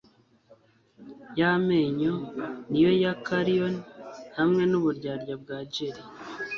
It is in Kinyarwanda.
Ya menyo niyo ya karrion hamwe nuburiganya bwa jelly